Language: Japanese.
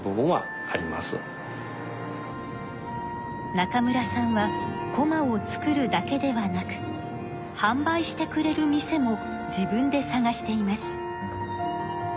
中村さんはこまを作るだけではなく販売してくれる店も自分でさがしています。